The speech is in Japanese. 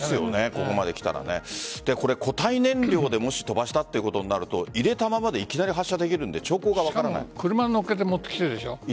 ここまできたら固体燃料でもし飛ばしたということになるというとき入れたままでいきなり発射できるから車に乗って持ってきているでしょ。